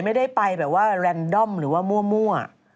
ไม่ได้ไปแบบว่าแลนดอมหรือว่ามั่ว